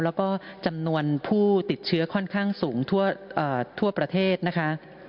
แล้วก็จำนวนผู้ติดเชื้อค่อนข้างสูงทั่วประเทศนะคะ